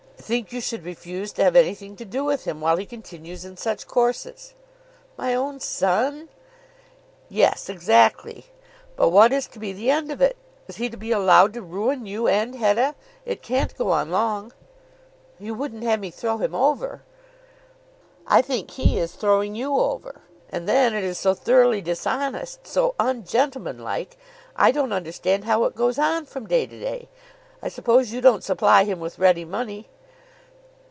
"I think you should refuse to have anything to do with him while he continues in such courses." "My own son!" "Yes; exactly. But what is to be the end of it? Is he to be allowed to ruin you, and Hetta? It can't go on long." "You wouldn't have me throw him over." "I think he is throwing you over. And then it is so thoroughly dishonest, so ungentlemanlike! I don't understand how it goes on from day to day. I suppose you don't supply him with ready money."